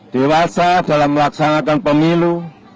dewasa dalam melaksanakan pemilu